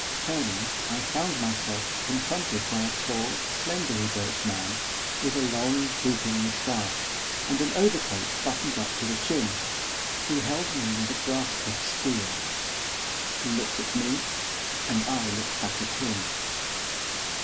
Turning I found myself confronted by a tall, slenderly built man, with a long, drooping moustache, and an overcoat buttoned up to the chin, who held me with a grasp of steel. He looked at me, and I looked back at him.